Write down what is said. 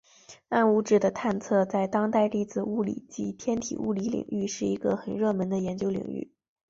暗物质的探测在当代粒子物理及天体物理领域是一个很热门的研究领域。